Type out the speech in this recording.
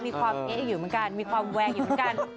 มีความเอ๊ะอยู่เหมือนกันมีความแวงอยู่เหมือนกัน